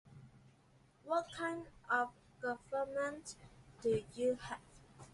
What kind of government do you have?